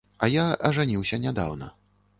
А я ажаніўся нядаўна.